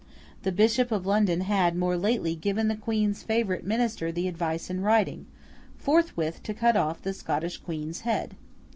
The Bishop of London had, more lately, given the Queen's favourite minister the advice in writing, 'forthwith to cut off the Scottish Queen's head.